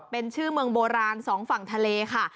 เป็นชื่อเมืองโบราณสองฝั่งทะเลค่ะ